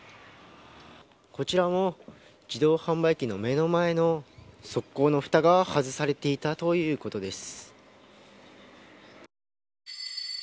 こちらも自動販売機の目の前の側溝のふたが外されていたということです。